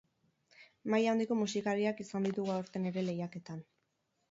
Maila handiko musikariak izan ditugu aurten ere lehiaketan.